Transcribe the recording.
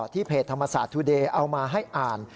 เพจธรรมศาสตร์ทุเดย์เอามาให้อ่าน